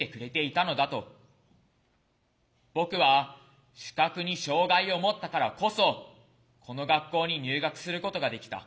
僕は視覚に障害をもったからこそこの学校に入学することができた。